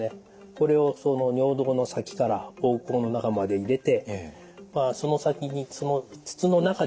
これを尿道の先から膀胱の中まで入れてその先にその筒の中にですね